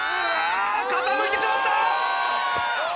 傾いてしまった！